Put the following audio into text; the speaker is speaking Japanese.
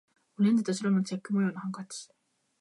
オレンジと白のチェック模様のハンカチ